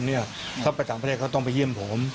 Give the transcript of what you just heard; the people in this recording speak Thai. ถ้าไปต่างประเทศเขาต้องไปเยี่ยมผม